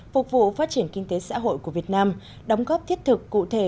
phục vụ phát triển kinh tế xã hội của việt nam đóng góp thiết thực cụ thể